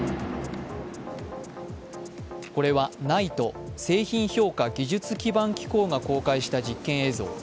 これはＮＩＴＥ＝製品評価技術基盤機構が公開した実験映像。